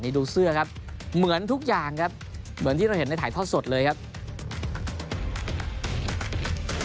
นี่ดูเสื้อครับเหมือนทุกอย่างครับเหมือนที่เราเห็นในถ่ายทอดสดเลยครับ